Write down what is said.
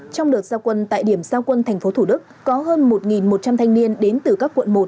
trong đợt giao quân tại điểm giao quân tp thủ đức có hơn một một trăm linh thanh niên đến từ các quận một